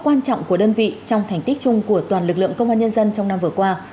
quan trọng của đơn vị trong thành tích chung của toàn lực lượng công an nhân dân trong năm vừa qua